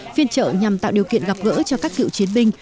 phiên trợ nhằm tạo điều kiện gặp gỡ cho các cựu chiến binh